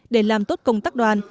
để làm tốt công tác đoàn